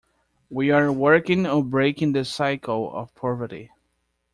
We are working on breaking the cycle of poverty.